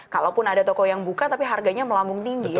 kalaupun ada toko yang buka tapi harganya melambung tinggi